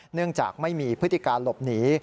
เนื่องจากไม่มีพฤติการหลบหนี